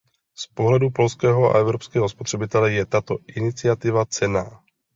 Z pohledu polského a evropského spotřebitele je tato iniciativa cenná.